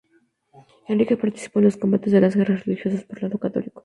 Enrique participó en los combates de las guerras religiosas, por el lado católico.